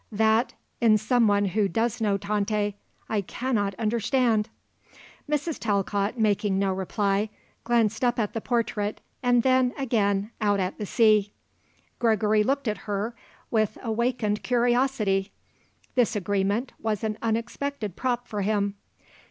That, in someone who does know Tante, I cannot understand." Mrs. Talcott, making no reply, glanced up at the portrait and then, again, out at the sea. Gregory looked at her with awakened curiosity. This agreement was an unexpected prop for him.